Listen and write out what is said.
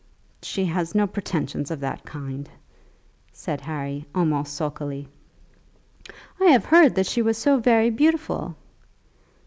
"She has no pretensions of that kind," said Harry, almost sulkily. "I have heard that she was so very beautiful!"